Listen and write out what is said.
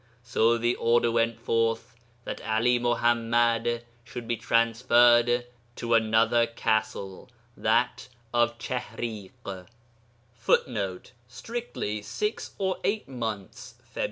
So the order went forth that 'Ali Muḥammad should be transferred to another castle that of Chihriḳ. [Footnote: Strictly, six or eight months (Feb.